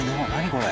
これ。